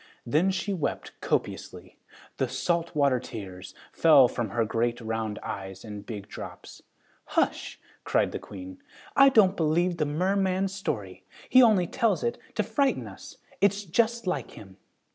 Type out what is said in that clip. Then she wept copiously. The salt water tears fell from her great round eyes in big drops. "Hush!" cried the Queen. "I don't believe the merman's story. He only tells it to frighten us. It's just like him."